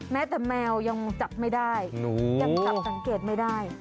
แม้แต่แมวยังจับไม่ได้ยังจับสังเกตไม่ได้